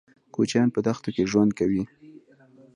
کوچيان په دښتو کې ژوند کوي.